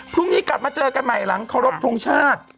พรุ่งนี้กลับมาเจอกันใหม่หลังเคารพทงชาติ